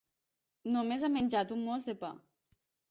Només ha menjat un mos de pa.